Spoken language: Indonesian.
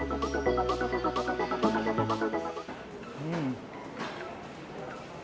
karena syarat akan rempah rempah seberatnya